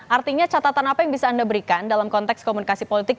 artinya catatan apa yang bisa anda berikan dalam konteks komunikasi politik